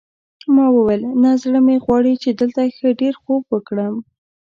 ما وویل نه زړه مې غواړي چې دلته ښه ډېر خوب وکړم.